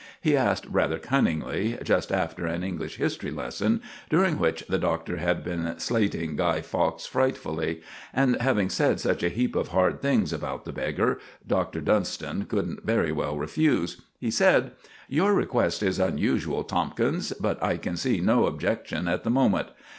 He asked rather cunningly, just after an English History lesson, during which the Doctor had been slating Guy Fawkes frightfully; and having said such a heap of hard things about the beggar, Doctor Dunston couldn't very well refuse. He said: "Your request is unusual Tomkins; but I can see no objection at the moment.